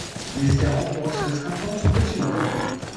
Sie ist Hauptort des Kantons Breteuil.